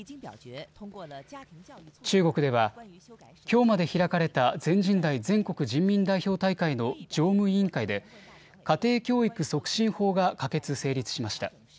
中国ではきょうまで開かれた全人代＝全国人民代表大会の常務委員会で家庭教育促進法が可決、成立しました。